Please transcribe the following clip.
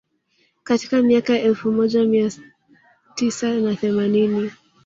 Katika miaka ya elfu moja mia tisa na themanini